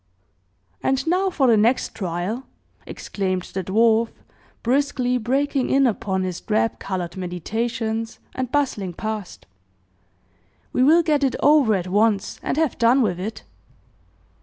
"And now for the next trial!" exclaimed the dwarf, briskly breaking in upon his drab colored meditations, and bustling past. "We will get it over at once, and have done with it!"